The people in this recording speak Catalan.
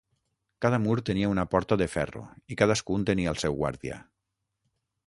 Cada mur tenia una porta de ferro, i cadascun tenia el seu guàrdia.